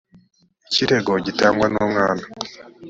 ikirego gitangwa n umwana